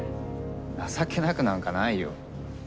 情けなくなんかないよ。